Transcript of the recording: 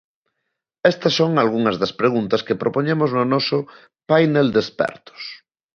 Estas son algunhas das preguntas que propoñemos no noso 'Painel de expertos'.